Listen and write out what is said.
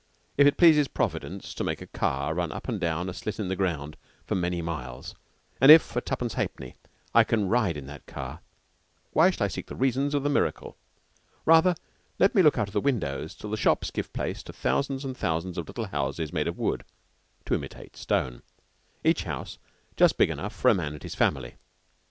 If it pleases Providence to make a car run up and down a slit in the ground for many miles, and if for twopence halfpenny I can ride in that car, why shall I seek the reasons of the miracle? Rather let me look out of the windows till the shops give place to thousands and thousands of little houses made of wood (to imitate stone), each house just big enough for a man and his family.